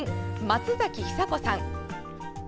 松崎ひさ子さん。